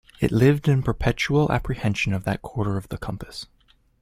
It lived in perpetual apprehension of that quarter of the compass.